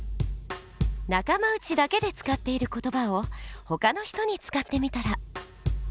仲間内だけで使っている言葉を他の人に使ってみたら。